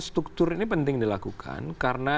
struktur ini penting dilakukan karena